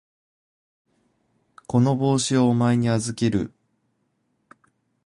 この帽子をお前に預ける。